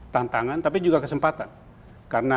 tantangan tapi juga kesempatan karena